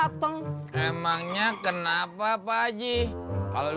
hasil emangnya kenapa pak haji kalau